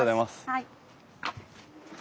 はい。